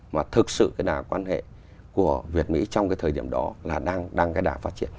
mà thực sự cái đảng quan hệ của việt mỹ trong cái thời điểm đó là đang phát triển